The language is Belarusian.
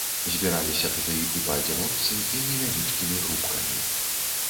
Збіраліся туды і па адзіночцы і невялічкімі групкамі.